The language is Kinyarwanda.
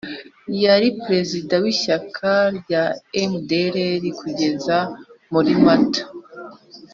yari perezida w'ishyaka rya mdr kugeza muri mata